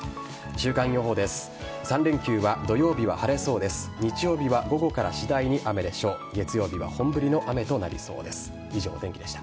週間予報です。